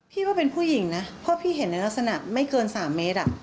ว่าเป็นผู้หญิงนะเพราะพี่เห็นในลักษณะไม่เกิน๓เมตร